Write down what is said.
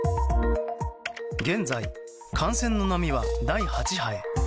現在、感染の波は第８波へ。